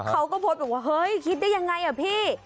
เขาก็โพสต์บอกว่าเฮ้ยคิดได้ยังไงอ่ะพี่